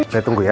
saya tunggu ya